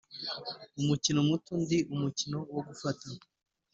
"umukino muto ndi umukino wo gufata,